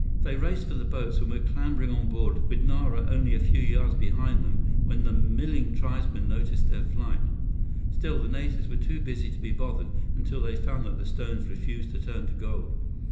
They raced for the boats and were clambering on board, with Nara only a few yards behind them, when the milling tribesmen noticed their flight. Still, the natives were too busy to be bothered until they found that the stones refused to turn to gold.